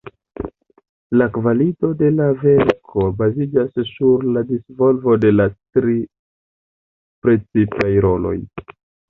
La kvalito de la verko baziĝas sur la disvolvo de la tri precipaj roloj.